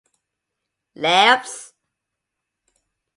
Labs.